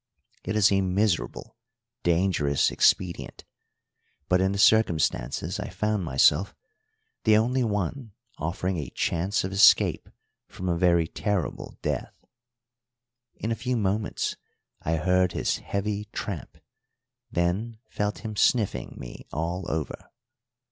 It is a miserable, dangerous expedient, but, in the circumstances I found myself, the only one offering a chance of escape from a very terrible death. In a few moments I heard his heavy tramp, then felt him sniffing me all over.